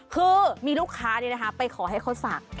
คือมีลูกค้าไปขอให้เขาสั่ง